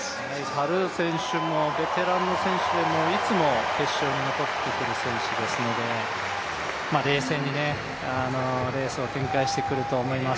タルー選手もベテランの選手でいつも決勝に残ってくる選手ですので冷静にね、レースを展開してくると思います。